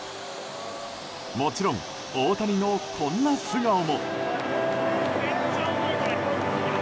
もちろん、大谷のこんな素顔も。